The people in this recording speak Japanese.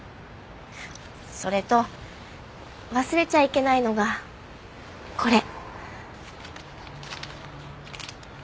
それと忘れちゃいけないのがこれ。